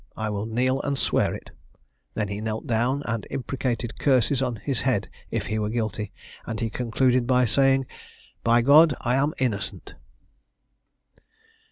I will kneel and swear it." He then knelt down and imprecated curses on his head if he were guilty, and he concluded by saying, "By God, I am innocent."